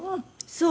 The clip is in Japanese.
そう。